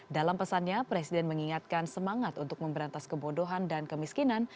dalam pesannya presiden mengingatkan semangat untuk memberantas kebodohan dan kemiskinan